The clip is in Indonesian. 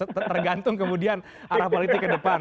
tergantung kemudian arah politik ke depan